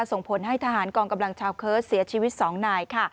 ส่งผลให้ทหารกองกำลังชาวเคิร์สเสียชีวิต๒นายค่ะ